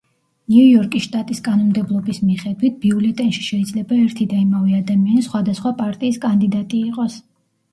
ნიუ-იორკის შტატის კანონმდებლობის მიხედვით, ბიულეტენში შეიძლება ერთი და იმავე ადამიანი სხვადასხვა პარტიის კანდიდატი იყოს.